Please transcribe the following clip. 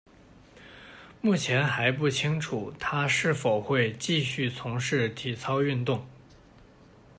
目前还不清楚她是否会继续从事体操运动。